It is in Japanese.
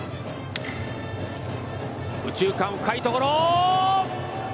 右中間深いところ！